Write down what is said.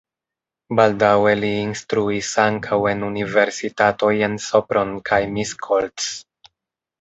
Baldaŭe li instruis ankaŭ en universitatoj en Sopron kaj Miskolc.